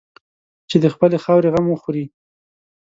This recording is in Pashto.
چې د خپلې خاورې غم وخوري.